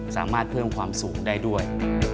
สามารถเพิ่มความสูงได้ด้วย